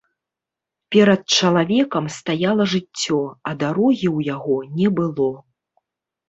Перад чалавекам стаяла жыццё, а дарогі ў яго не было.